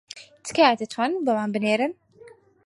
تکایە دەتوانن بۆمان بنێرن